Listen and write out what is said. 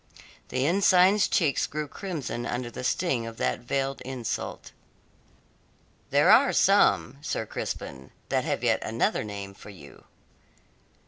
The ensign's cheeks grew crimson under the sting of that veiled insult. "There are some, Sir Crispin, that have yet another name for you."